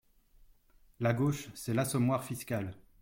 La gauche, c’est l’assommoir fiscal.